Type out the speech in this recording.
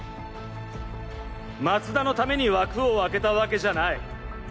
松田のために枠を空けたわけじゃない。